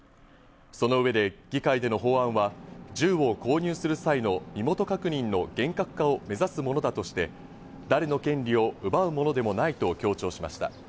その上で議会での法案は銃を購入する際の身元確認の厳格化を目指すものだとして、誰の権利を奪うものでもないと強調しました。